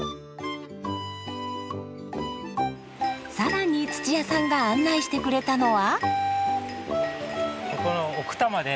更に土屋さんが案内してくれたのは。